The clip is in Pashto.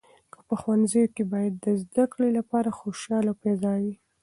په ښوونځیو کې باید د زده کړې لپاره خوشاله فضا وي.